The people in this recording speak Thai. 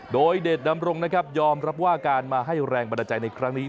โดยเดชดำรงนะครับยอมรับว่าการมาให้แรงบันดาลใจในครั้งนี้